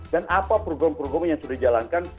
dan apa program programnya yang sudah dijalankan